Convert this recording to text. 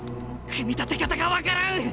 組み立て方が分からん！